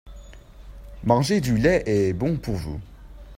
Manger du lait est bon pour vous.